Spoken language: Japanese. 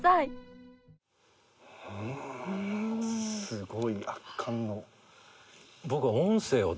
すごい圧巻の。